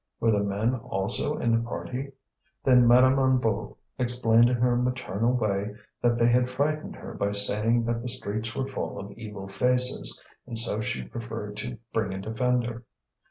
were the men also in the party? Then Madame Hennebeau explained in her maternal way that they had frightened her by saying that the streets were full of evil faces, and so she preferred to bring a defender.